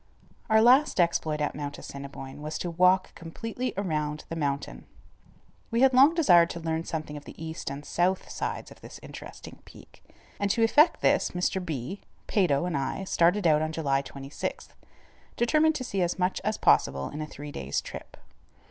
Our last exploit at Mount Assiniboine was to walk completely around the mountain. We had long desired to learn something of the east and south sides of this interesting peak, and to effect this Mr. B., Peyto, and I started on July 26th, determined to see as much as possible in a three days' trip.